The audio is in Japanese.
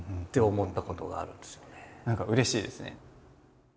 何かうれしいですね。